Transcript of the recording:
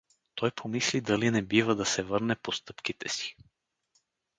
Той помисли дали не бива да се върне по стъпките си.